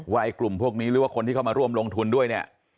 ไอ้กลุ่มพวกนี้หรือว่าคนที่เข้ามาร่วมลงทุนด้วยเนี่ย